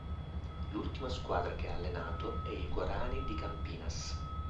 L'ultima squadra che ha allenato è il Guarani di Campinas.